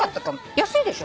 安いでしょ？